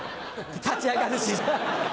立ち上がるし。